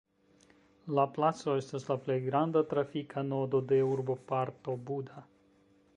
La placo estas la plej granda trafika nodo de urboparto Buda.